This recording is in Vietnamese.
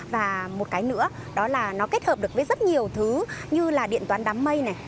và một cái nữa đó là nó kết hợp được với rất nhiều thứ như là điện toán đám mây này